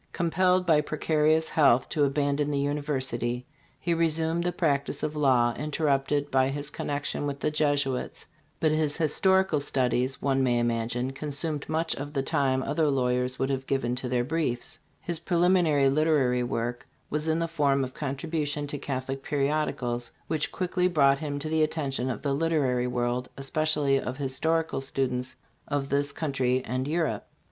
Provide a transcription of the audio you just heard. Compelled by precarious health to abandon the university, he resumed the practice of law, interrupted by his connection with the Jesuits ; but his historical studies, one may imagine, consumed much of the time other lawyers would have given to their briefs His preliminary literary work was in the form of contributions to Catholic periodicals, which quickly brought him to the attention of the literary world, especially of .historical students of this country and Europe.